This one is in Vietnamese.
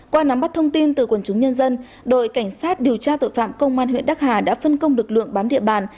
qua nắm bắt thông tin từ quần chúng nhân dân đội cảnh sát điều tra tội phạm công an huyện đắc hà đã phân công lực lượng bám địa bàn